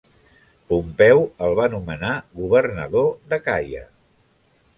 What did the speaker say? Pompeu el va nomenar governador d'Acaia.